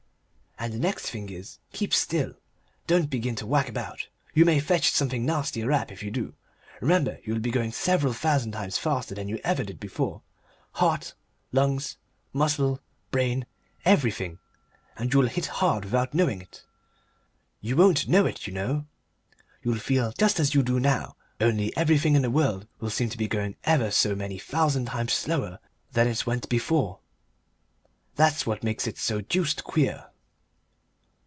"And the next thing is, keep still. Don't begin to whack about. You may fetch something a nasty rap if you do. Remember you will be going several thousand times faster than you ever did before, heart, lungs, muscles, brain everything and you will hit hard without knowing it. You won't know it, you know. You'll feel just as you do now. Only everything in the world will seem to be going ever so many thousand times slower than it ever went before. That's what makes it so deuced queer."